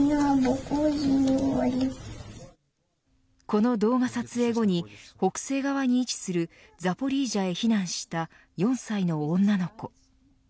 この動画撮影後に北西側に位置するザポリージャへ避難した４歳の女の子。